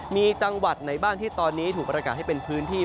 มีจังหวัดไหนบ้างที่ตอนนี้ถูกประกาศให้เป็นพื้นที่